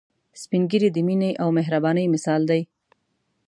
سپین ږیری د مينه او مهربانۍ مثال دي